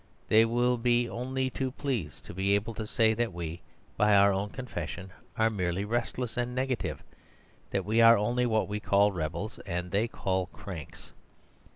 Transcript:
They will be only too pleased to be able to say that we, by our own confession, are merely restless and negative; that we are only what we call rebels and they call cranks.